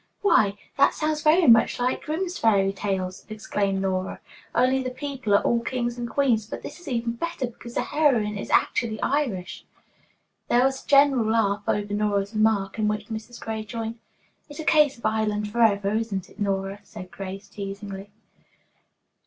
"Why, that sounds very much like Grimm's fairy tales!" exclaimed Nora. "Only the book people are all kings and queens, but this is even better because the heroine is actually Irish." There was a general laugh over Nora's remark in which Mrs. Gray joined. "It's a case of Ireland forever, isn't it Nora?" said Grace teasingly.